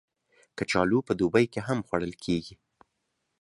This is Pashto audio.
کچالو په دوبی کې هم خوړل کېږي